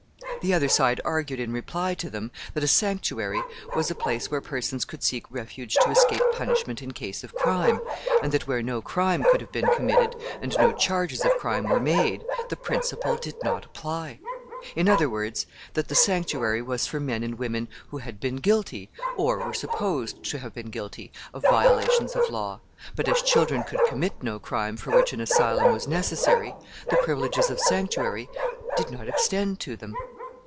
The other side argued in reply to them that a sanctuary was a place where persons could seek refuge to escape punishment in case of crime, and that where no crime could have been committed, and no charges of crime were made, the principle did not apply. In other words, that the sanctuary was for men and women who had been guilty, or were supposed to have been guilty, of violations of law; but as children could commit no crime for which an asylum was necessary, the privileges of sanctuary did not extend to them.